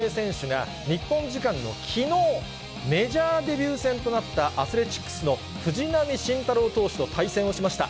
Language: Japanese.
メジャーリーグ・エンゼルスの大谷翔平選手が日本時間のきのう、メジャーデビュー戦となったアスレチックスの藤浪晋太郎投手と対戦をしました。